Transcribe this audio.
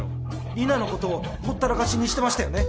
里奈のことをほったらかしにしてましたよね